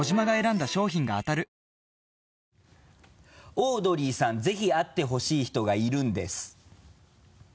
オードリーさん、ぜひ会ってほしい人がいるんです。